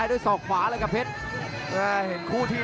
อื้อหือจังหวะขวางแล้วพยายามจะเล่นงานด้วยซอกแต่วงใน